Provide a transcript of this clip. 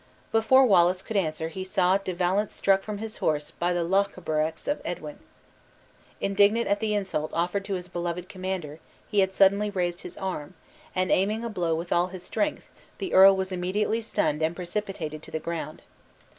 Before Wallace could answer he saw De Valence struck from his horse by the Lochaberax of Edwin. Indignant at the insult offered to his beloved commander, he had suddenly raised his arm, and aiming a blow with all his strength, the earl was immediately stunned and precipitated to the ground.